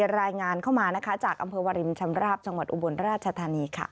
รายงานเข้ามานะคะจากอำเภอวารินชำราบจังหวัดอุบลราชธานีค่ะ